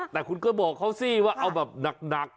แต่คุณก็บอกเขาสิว่าเอาแบบหนัก